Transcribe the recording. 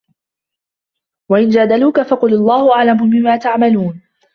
وإن جادلوك فقل الله أعلم بما تعملون